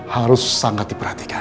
harus sangat diperhatikan